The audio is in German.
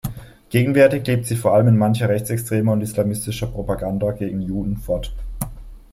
Gegenwärtig lebt sie vor allem in mancher rechtsextremer und islamistischer Propaganda gegen Juden fort.